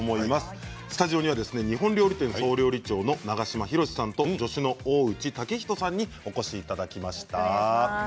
スタジオには日本料理店総料理長の長島博さんと助手の大内岳人さんにお越しいただきました。